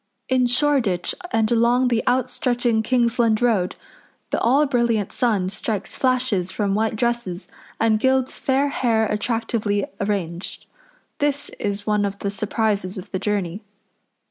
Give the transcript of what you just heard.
In Shoreditch and along the out stretching Kingsland Road the all brilliant sun strikes flashes from white dresses and gilds fair hair attractively arranged. This is one of the surprises of the journey.